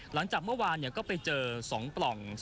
หลังจากเมื่อวานก็ไปเจอ๒ปล่อง